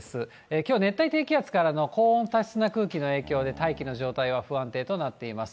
きょうは熱帯低気圧からの高温多湿な空気の影響で大気の状態は不安定となっています。